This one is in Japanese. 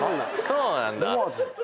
そうなんだ。